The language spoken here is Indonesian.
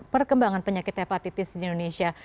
perkembangan penyakit hepatitis di indonesia